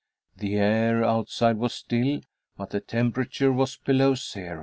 The air outside was still, but the temperature was below zero.